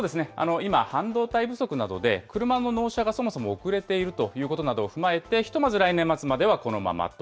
今、半導体不足などで、車の納車がそもそも遅れているということなどを踏まえて、ひとまず来年末まではこのままと。